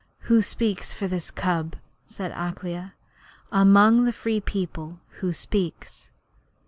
'Who speaks for this cub?' said Akela. 'Among the Free People who speaks?'